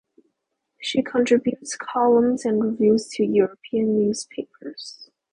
She contributes columns and reviews to European newspapers.